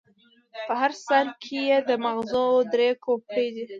په هر سر کې یې د ماغزو درې کوپړۍ دي.